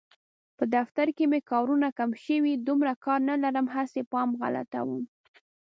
په دفتر کې مې کارونه کم شوي، دومره کار نه لرم هسې پام غلطوم.